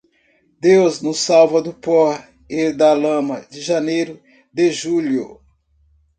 Deus nos salva do pó e da lama de janeiro de julho.